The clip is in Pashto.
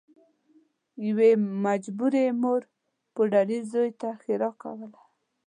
یوې مجبورې مور پوډري زوی ته ښیرا کوله